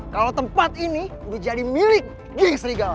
kalau tempat ini udah jadi milik ging serigala